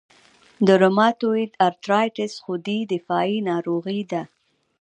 د روماتویید ارترایټرایټس خودي دفاعي ناروغي ده.